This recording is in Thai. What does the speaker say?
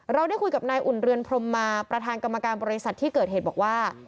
ได้คุยกับนายอุ่นเรือนพรมมาประธานกรรมการบริษัทที่เกิดเหตุบอกว่า